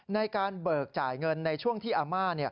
ในการเบิกจ่ายเงินในช่วงที่อาม่า